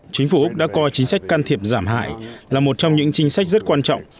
chính phủ úc đã coi chính sách can thiệp giảm hại là một trong những chính sách rất quan trọng